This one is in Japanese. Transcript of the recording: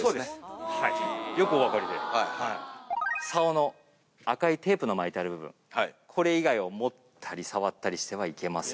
竿の赤いテープの巻いてある部分これ以外を持ったり触ったりしてはいけません。